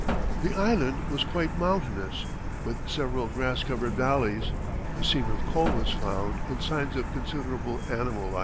The island was quite mountainous, with several grass covered valleys; a seam of coal was found and signs of considerable animal life.